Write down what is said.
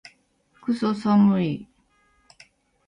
クソ寒い